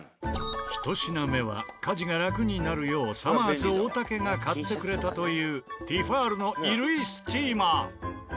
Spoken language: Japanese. １品目は家事が楽になるようさまぁず大竹が買ってくれたというティファールの衣類スチーマー。